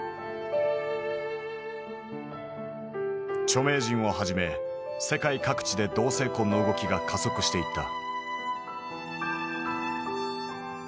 著名人をはじめ世界各地で同性婚の動きが加速していった。